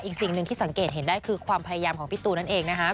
สิ่งหนึ่งที่สังเกตเห็นได้คือความพยายามของพี่ตูนนั่นเองนะคะ